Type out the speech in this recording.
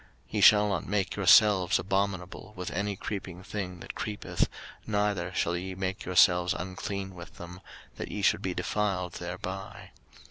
03:011:043 Ye shall not make yourselves abominable with any creeping thing that creepeth, neither shall ye make yourselves unclean with them, that ye should be defiled thereby.